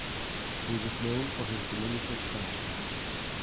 He was known for his diminutive stature.